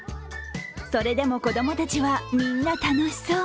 それでも子供たちは、みんな楽しそう。